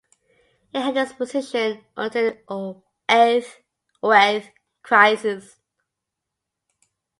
He held this position until the Oath crisis.